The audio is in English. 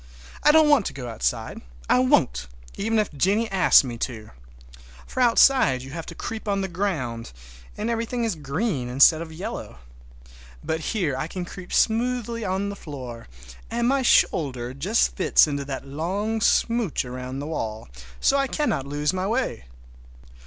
I don't want to go outside. I won't, even if Jennie asks me to. For outside you have to creep on the ground, and everything is green instead of yellow. But here I can creep smoothly on the floor, and my shoulder just fits in that long smooch around the wall, so I cannot lose my way.